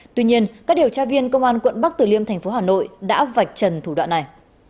tuy nhiên các điều tra viên công an quận bắc tử liêm thành phố hà nội đã vạch trần thủ đoạn này